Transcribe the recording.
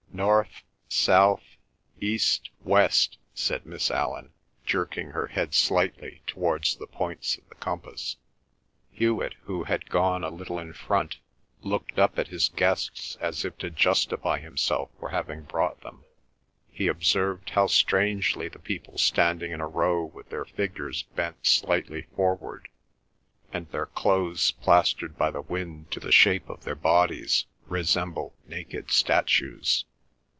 "North—South—East—West," said Miss Allan, jerking her head slightly towards the points of the compass. Hewet, who had gone a little in front, looked up at his guests as if to justify himself for having brought them. He observed how strangely the people standing in a row with their figures bent slightly forward and their clothes plastered by the wind to the shape of their bodies resembled naked statues.